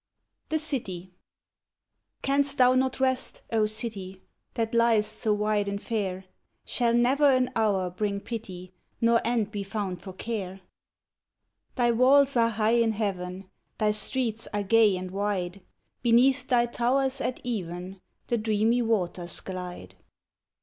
THE CITY Canst thou not rest, O city, That liest so wide and fair; Shall never an hour bring pity, Nor end be found for care? Thy walls are high in heaven, Thy streets are gay and wide. Beneath thy towers at even The dreamy waters glide.